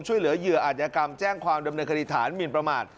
ช่วยเหลือเหยื่ออาจยกรรมแจ้งความดำเนินคดีฐานหมินประมาท